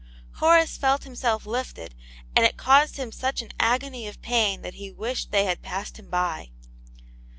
Horace felt himself lifted, and it caused him such an agony of pain that he wished they had passed him by.